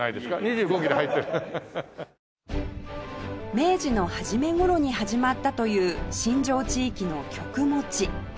明治の初め頃に始まったという新城地域の「曲持」